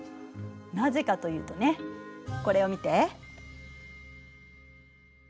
なぜかというとねこれを見て。